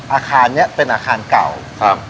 อาคารนี้เป็นอาคารเก่าครับ